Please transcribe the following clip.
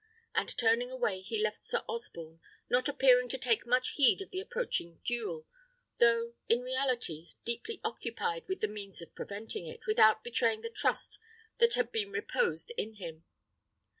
and turning away he left Sir Osborne, not appearing to take much heed of the approaching duel, though in reality deeply occupied with the means of preventing it, without betraying the trust that had been reposed in him.